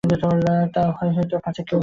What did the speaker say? ভয় হইত, পাছে কেহ প্রত্যাখ্যান করে।